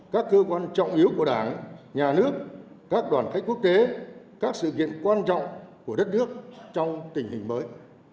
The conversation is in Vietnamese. các cơ quan trọng yếu của đảng nhà nước các đoàn khách quốc tế các sự kiện quan trọng của đất nước trong tình hình mới